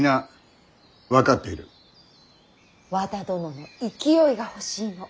和田殿の勢いが欲しいの。